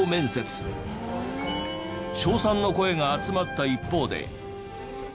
称賛の声が集まった一方で。